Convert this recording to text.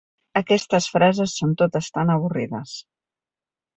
Aquestes frases són totes tan avorrides